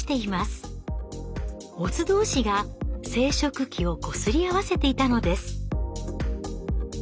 オス同士が生殖器をこすり合わせていたのです。